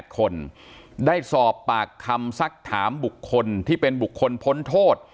๘คนได้สอบปากคำสักถามบุคคลที่เป็นบุคคลพ้นโทษ